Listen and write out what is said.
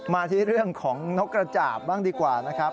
มาที่เรื่องของนกกระจาบบ้างดีกว่านะครับ